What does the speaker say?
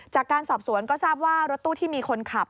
จากการสอบสวนก็ทราบว่ารถตู้ที่มีคนขับ